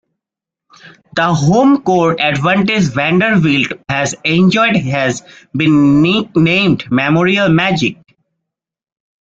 The homecourt advantage Vanderbilt has enjoyed has been nicknamed "Memorial Magic".